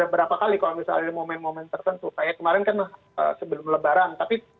berapa kali kalau misalnya momen momen tertentu saya kemarin karena sebelum lebaran tapi